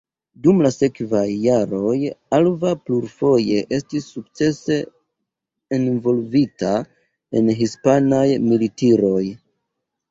Dum la sekvaj jaroj Alva plurfoje estis sukcese envolvita en hispanaj militiroj.